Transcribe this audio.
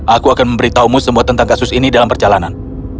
aku akan memberitahumu semua tentang kasus ini dalam perjalanan